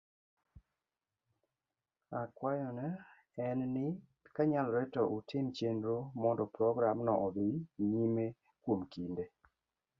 Akwayo na en ni kanyalore to utim chenro mondo programno odhi nyime kuom kinde